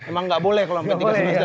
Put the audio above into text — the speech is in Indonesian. emang gak boleh kalau sampai tiga semester